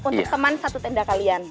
untuk teman satu tenda kalian